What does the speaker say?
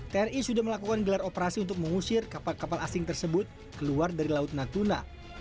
tni sudah melakukan gelar operasi untuk mengusir kapal kapal asing tersebut keluar dari laut natuna